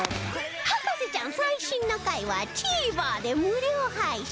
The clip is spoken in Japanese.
『博士ちゃん』最新の回は ＴＶｅｒ で無料配信